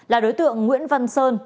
là đối tượng nguyễn văn sơn